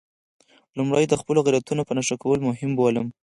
لومړی د خپلو غیرتونو په نښه کول مهم بولم.